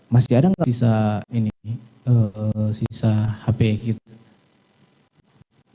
masih ada gak sisa ini sisa handphone kita